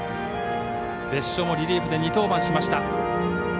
別所もリリーフで２登板しました。